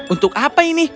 untuk apa ini